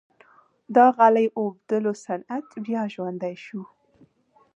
د غالۍ اوبدلو صنعت بیا ژوندی شو؟